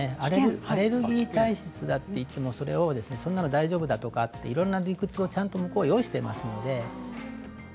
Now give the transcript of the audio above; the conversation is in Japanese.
アレルギー体質だといってもそれをそんなのは大丈夫だとかいろんな理屈をちゃんと向こうは用意していますので。